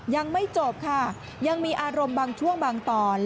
ยังไม่จบค่ะยังมีอารมณ์บางช่วงบางตอน